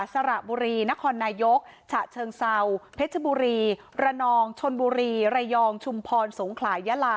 สระบุรีนครนายกฉะเชิงเซาเพชรบุรีระนองชนบุรีระยองชุมพรสงขลายลา